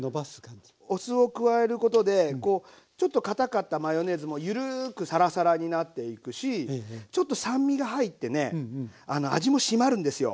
お酢を加えることでちょっとかたかったマヨネーズもゆるくさらさらになっていくしちょっと酸味が入ってね味も締まるんですよ。